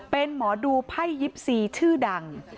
เป็นหมอดูไพ่ยิบสี่ชื่อดัง